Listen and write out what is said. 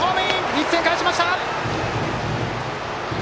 １点返しました！